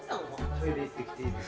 トイレ行ってきていいですか？